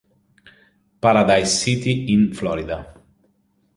Paradise City in Florida.